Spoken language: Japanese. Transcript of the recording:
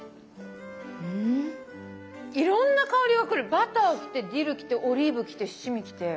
バターきてディルきてオリーブきて七味きて。